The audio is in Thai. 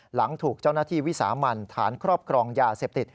หลังถูกเจ้าหน้าที่วิสามันฐานครอบครองยาเสพติด